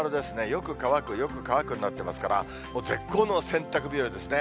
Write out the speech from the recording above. よく乾く、よく乾くになってますから、絶好の洗濯日和ですね。